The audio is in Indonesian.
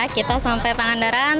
kita sampai pengandaran